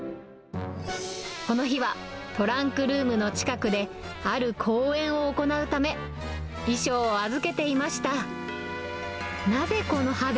この日はトランクルームの近くで、ある公演を行うため、衣装を預けていました。